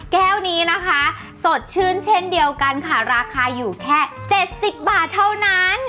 แก้วนี้นะคะสดชื่นเช่นเดียวกันค่ะราคาอยู่แค่๗๐บาทเท่านั้น